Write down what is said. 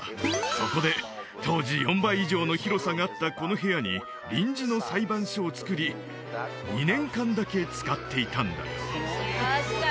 そこで当時４倍以上の広さがあったこの部屋に臨時の裁判所をつくり２年間だけ使っていたんだよ